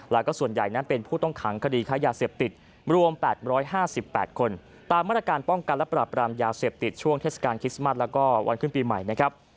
แล้วก็ส่วนใหญ่นั้นเป็นผู้ต้องขังคดีค้ายาเสพติดรวม๘๕๘คนตามมาตรการป้องกันและปราบรามยาเสพติดช่วงเทศกาลคริสต์มัสแล้วก็วันขึ้นปีใหม่นะครับ